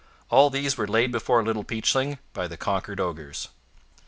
All these were laid before Little Peachling by the conquered ogres.